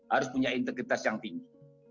harus punya integritas yang tinggi